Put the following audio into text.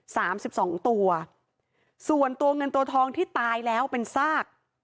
สามสิบสองตัวส่วนตัวเงินตัวทองที่ตายแล้วเป็นซาก